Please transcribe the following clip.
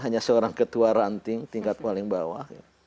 hanya seorang ketua ranting tingkat paling bawah